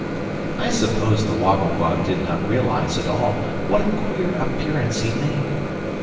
I suppose the Waggle Bug did not realize at all what a queer appearance he made.